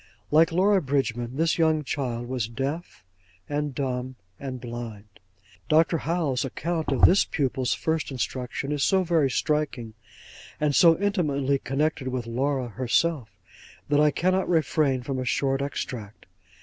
Like Laura Bridgman, this young child was deaf, and dumb, and blind. Dr. Howe's account of this pupil's first instruction is so very striking, and so intimately connected with Laura herself, that I cannot refrain from a short extract.